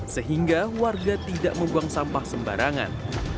sehingga warga tidak membuang sampah sembarangan